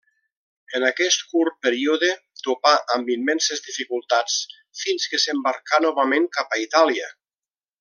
En aquest curt període topà amb immenses dificultats fins que s'embarcà novament cap a Itàlia.